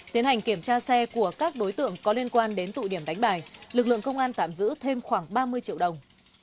tiến hành kiểm tra xe của các đối tượng có liên quan đến tụ điểm đánh bài lực lượng công an tạm giữ thêm khoảng ba mươi triệu đồng